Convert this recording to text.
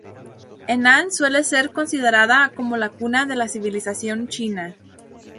Henan suele ser considerada como la cuna de la civilización china.